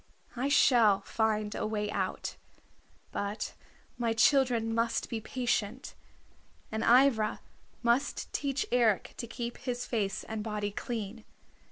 I shall find a way out. But my children must be patient, and Ivra must teach Eric to keep his face and body clean.